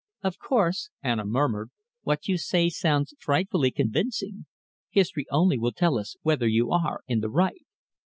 "Of course," Anna murmured, "what you say sounds frightfully convincing. History only will tell us whether you are in the right."